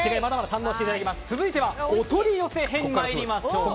続いては、お取り寄せ編に参りましょう。